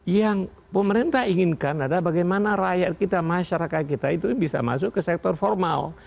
yang pemerintah inginkan adalah bagaimana rakyat kita masyarakat kita itu bisa masuk ke sektor formal